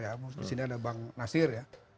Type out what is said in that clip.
di sini ada bang nasir